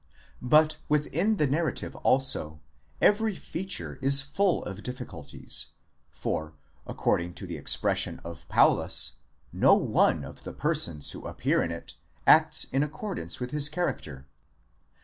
But within the narrative also, every feature is full of difficulties, for, accord ing to the expression of Paulus, no one of the persons who appear in it, acts in accordance with his character.